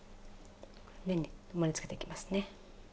盛り付けていきますね。